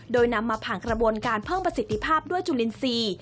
โดยนำมาผ่านกระบวนการเพิ่มประสิทธิภาพด้วยจุลินทรีย์